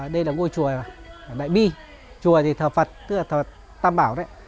đây là ngôi chùa đại bi chùa thì thờ phật tức là thờ tam bảo đấy